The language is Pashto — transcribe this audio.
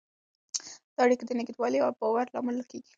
دا اړیکه د نږدېوالي او باور لامل کېږي.